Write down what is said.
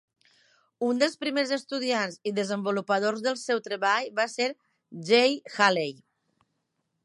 Un dels primers estudiants i desenvolupadors del seu treball va ser Jay Haley.